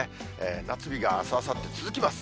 夏日があす、あさって続きます。